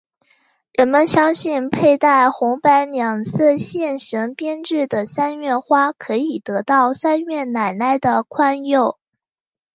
人们相信佩戴红白两色线绳编织的三月花可以得到三月奶奶的宽宥。